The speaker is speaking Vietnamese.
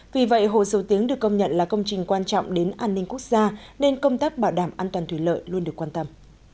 vì vậy hồ dầu tiếng được công nhận là công trình quan trọng đến an ninh quốc gia nên công tác bảo đảm an toàn thủy lợi luôn được quan tâm